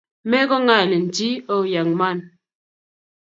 Me ko ngalin chi o, young man